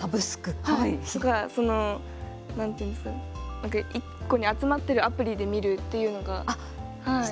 はい、何て言うんですか１個に集まってるアプリで見るっていうのが、はい。